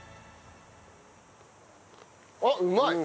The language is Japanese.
あっうまい！